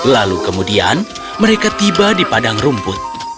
lalu kemudian mereka tiba di padang rumput